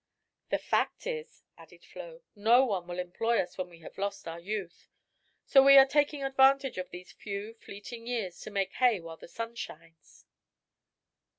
"The fact is," added Flo, "no one will employ us when we have lost our youth. So we are taking advantage of these few fleeting years to make hay while the sun shines."